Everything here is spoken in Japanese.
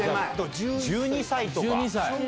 １２歳とか。